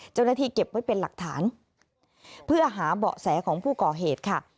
เก็บไว้เป็นหลักฐานเพื่อหาเบาะแสของผู้ก่อเหตุค่ะ